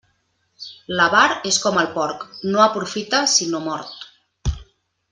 L'avar és com el porc, no aprofita sinó mort.